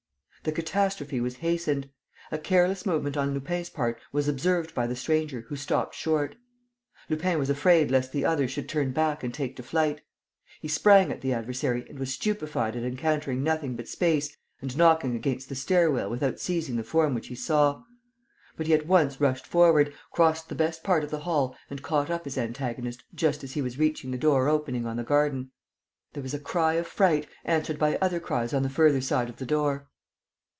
The catastrophe was hastened. A careless movement on Lupin's part was observed by the stranger, who stopped short. Lupin was afraid lest the other should turn back and take to flight. He sprang at the adversary and was stupefied at encountering nothing but space and knocking against the stair rail without seizing the form which he saw. But he at once rushed forward, crossed the best part of the hall and caught up his antagonist just as he was reaching the door opening on the garden. There was a cry of fright, answered by other cries on the further side of the door.